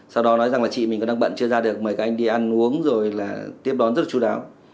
sau đó nói rằng là chị mình có đang bận chưa ra được mời các anh đi ăn uống rồi là tiếp đón rất là chú đáo